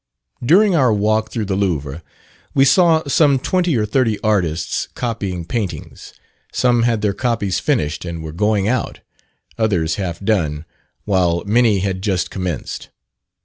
During our walk through the Louvre, we saw some twenty or thirty artists copying paintings; some had their copies finished and were going out, others half done, while many had just commenced.